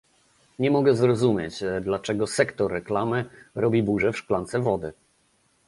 Nie mogę zrozumieć, dlaczego sektor reklamy robi burzę w szklance wody